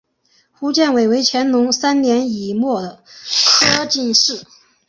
胡建伟为乾隆三年己未科进士。